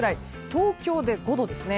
東京で５度ですね。